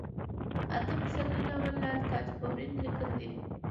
اتم پسرلی ناول لال تاجه پروين ليکلئ دی